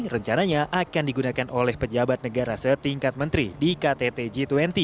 rencananya akan digunakan oleh pejabat negara setingkat menteri di ktt g dua puluh